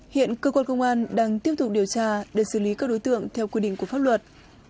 hiện cơ quan công an đang tiếp tục điều tra để xử lý các đối tượng theo quy định của pháp luật